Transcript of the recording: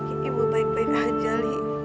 ibu baik baik aja li